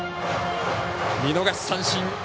見逃し三振。